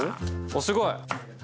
おっすごい！